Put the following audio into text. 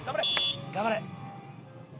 頑張れ！